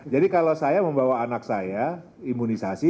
jadi kalau saya membawa anak saya imunisasi